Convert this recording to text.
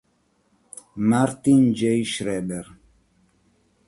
Martin J. Schreiber